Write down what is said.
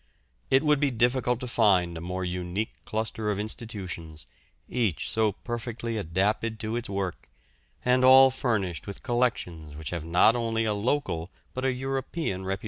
It would be difficult to find a more unique cluster of institutions, each so perfectly adapted to its work, and all furnished with collections which have not only a local but a European reputation.